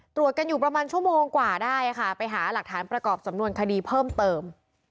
ตรวจกันอยู่ประมาณชั่วโมงกว่าได้ค่ะไปหาหลักฐานประกอบสำนวนคดีเพิ่มเติม